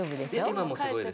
今もすごいです。